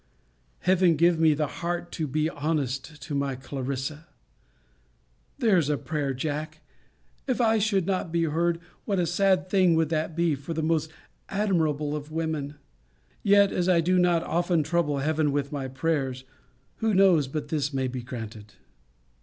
Heaven give me the heart to be honest to my Clarissa! There's a prayer, Jack! If I should not be heard, what a sad thing would that be, for the most admirable of women! Yet, as I do no often trouble Heaven with my prayers, who knows but this may be granted?